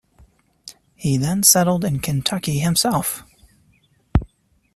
He then settled in Kentucky himself.